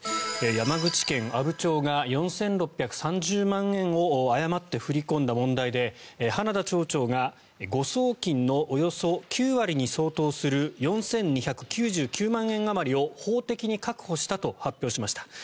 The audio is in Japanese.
山口県阿武町が４６３０万円を誤って振り込んだ問題で花田町長が誤送金のおよそ９割に相当する４２９９万あまりを法的に確保したと発表しました。